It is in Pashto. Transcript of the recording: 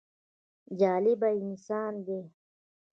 جالبه انسان دی.